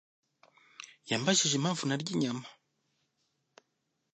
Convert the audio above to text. yambajije impamvu ntarya inyama.